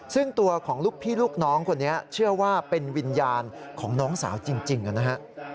ซึ่งตัวของลูกพี่ลูกน้องคนนี้เชื่อว่าเป็นวิญญาณของน้องสาวจริงนะฮะ